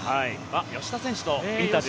吉田選手のインタビュー。